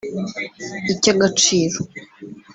icy’Agaciro